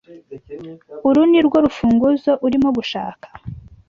Uru nirwo rufunguzo urimo gushaka?